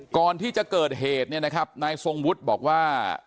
ก่อนที่จะเกิดเหตุเนี่ยนะครับนายทรงวุฒิบอกว่า